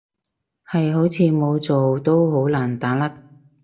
係，好似冇做都好難打甩